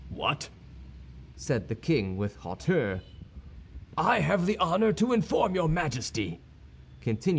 "What?" said the king, with hauteur. "I have the honor to inform your Majesty," continued M.